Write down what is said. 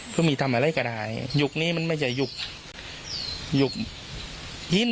คือมีทำอะไรก็ได้ยุคนี้มันไม่ใช่หยุกหยุบยิน